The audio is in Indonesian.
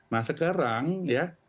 nah sekarang ya